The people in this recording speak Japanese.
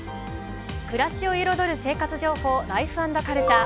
暮らしを彩る生活情報「ライフ＆カルチャー」。